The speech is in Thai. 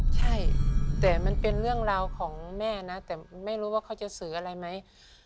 ใช่แต่มันเป็นเรื่องราวของแม่นะแต่ไม่รู้ว่าเขาจะสื่ออะไรไหม